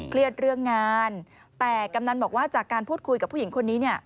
เครียดเรื่องงานแต่กำนันบอกว่าจากการพูดคุยกับผู้หญิงคนนี้เนี่ย